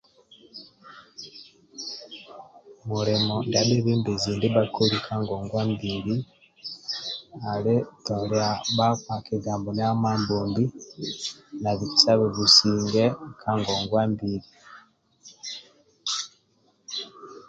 Mulimo ndia bhebembezi ndia bhakoli ka ngongwa mbili ali tolia bhakpa kigambo ndia Mambombi na bikisabe businge